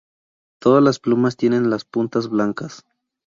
Todas las plumas tienen las puntas blancas.